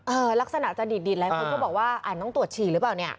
ลักษณะจะดีดหลายคนก็บอกว่าอ่านต้องตรวจฉี่หรือเปล่าเนี่ย